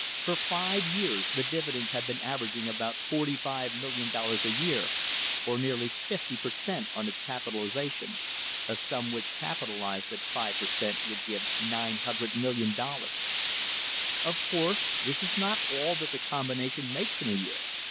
For five years the dividends have been averaging about forty five million dollars a year, or nearly fifty per cent, on its capitalisation, a sum which capitalised at five per cent, would give $900,000,000. Of course this is not all that the combination makes in a year.